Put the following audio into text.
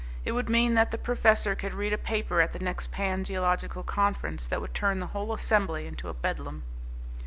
It would mean that the professor could read a paper at the next Pan Geological Conference that would turn the whole assembly into a bedlam.